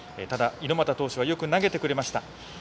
猪俣投手はよく投げてくれました。